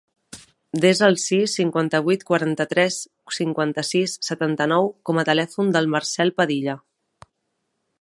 Desa el sis, cinquanta-vuit, quaranta-tres, cinquanta-sis, setanta-nou com a telèfon del Marcèl Padilla.